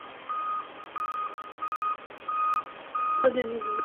特定粒子的水平座标解析度比同等光学显微镜的解析度还要高。